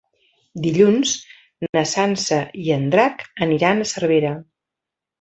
Dilluns na Sança i en Drac aniran a Cervera.